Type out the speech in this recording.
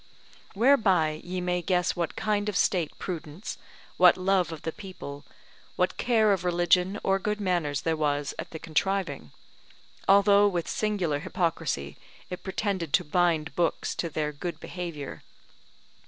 Whereby ye may guess what kind of state prudence, what love of the people, what care of religion or good manners there was at the contriving, although with singular hypocrisy it pretended to bind books to their good behaviour.